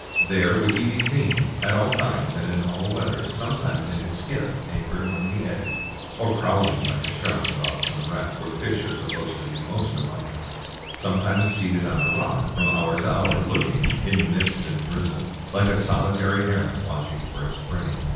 There would he be seen, at all times and in all weathers, some times in his skiff, anchored among the eddies, or prowling hke a shark about some wreck, where the fish are supposed to be most abundant; sometimes seated on a rock from hour to hour, looking, in the mist and drizzle, like a soli tary heron watching for its prey.